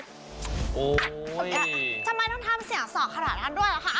ทำไมต้องทำเสียงสอกขนาดนั้นด้วยเหรอคะ